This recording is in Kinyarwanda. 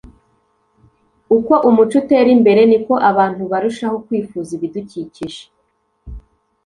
uko umuco utera imbere, niko abantu barushaho kwifuza ibidukikije